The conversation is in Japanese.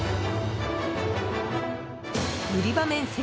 売り場面積